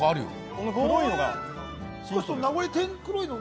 この黒いのが？